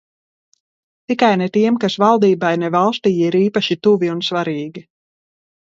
Tikai ne tiem, kas valdībai, ne valstij, ir īpaši tuvi un svarīgi.